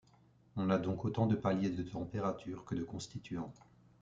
On a donc autant de paliers de température que de constituants.